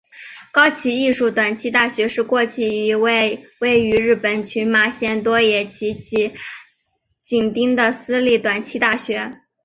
高崎艺术短期大学是过去一所位于日本群马县多野郡吉井町的私立短期大学。